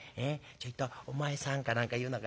『ちょいとお前さん』かなんか言うのかね。